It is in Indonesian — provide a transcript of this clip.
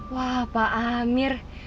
wah pak amir